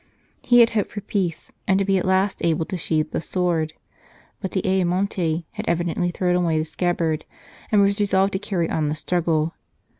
He had hoped for peace, and to be at last able to sheath the sword; but D Ayamonte had evidently thrown away the scabbard, and was resolved to carry on the struggle.